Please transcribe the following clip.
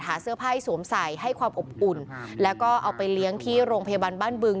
เสื้อผ้าสวมใส่ให้ความอบอุ่นแล้วก็เอาไปเลี้ยงที่โรงพยาบาลบ้านบึง